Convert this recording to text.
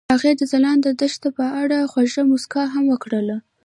هغې د ځلانده دښته په اړه خوږه موسکا هم وکړه.